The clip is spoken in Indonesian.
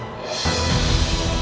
kami akan menanggungmu